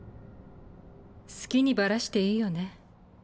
好きにバラしていいよね。